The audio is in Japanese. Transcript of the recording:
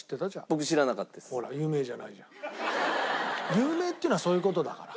有名っていうのはそういう事だから。